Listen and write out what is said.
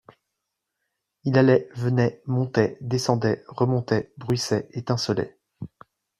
Il allait, venait, montait, descendait, remontait, bruissait, étincelait.